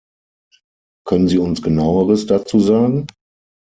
Können Sie uns Genaueres dazu sagen?